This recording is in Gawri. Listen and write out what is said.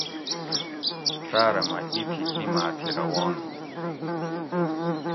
ساٞرہ مٞہ اِتھی اِیماٞ تھی روان ہُو